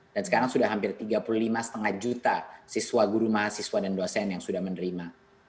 dan sekarang sudah hampir tiga puluh lima lima juta siswa guru mahasiswa dan dosen yang sudah menerima